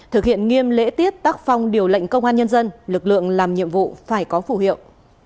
thực hiện nghiêm lễ tiết tác phong điều lệnh công an nhân dân lực lượng làm nhiệm vụ phải có phủ hiệu